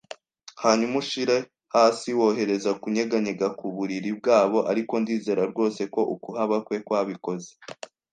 hanyuma ushire hasi, wohereza kunyeganyega ku buriri bwabo; ariko ndizera rwose ko ukuhaba kwe kwabikoze